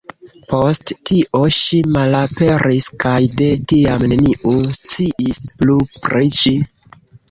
Post tio, ŝi malaperis kaj de tiam neniu sciis plu pri ŝi.